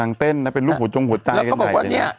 นางเต้นเป็นลูกหุดชอบหุดใจ